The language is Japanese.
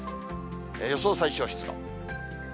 予想最小湿度。